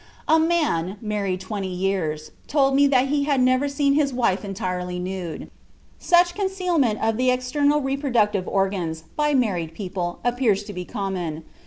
"A man, married twenty years, told me that he had never seen his wife entirely nude. Such concealment of the external reproductive organs, by married people, appears to be common.